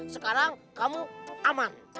sekarang kamu aman